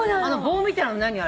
あの棒みたいなの何？